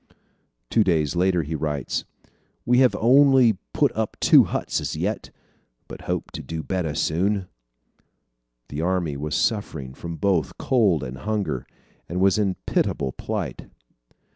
Two days later he writes: "We have only put up two huts as yet, but hope to do better soon." The army was suffering from both cold and hunger, and was in pitiable plight.